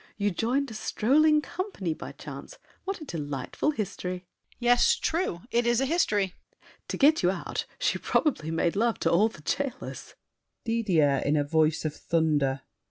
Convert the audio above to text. You joined a strolling company by chance; What a delightful history! DIDIER. Yes, true It is a history! SAVERNY. To get you out She probably made love to all the jailers. DIDIER (in a voice of thunder).